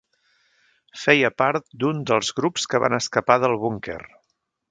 Feia part d'un dels grups que van escapar del búnquer.